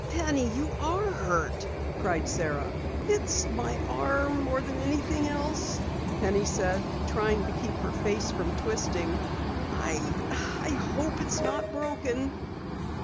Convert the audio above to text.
"Penny, you are hurt!" cried Sara. "It's my arm, more than anything else," Penny said, trying to keep her face from twisting. "I I hope it's not broken."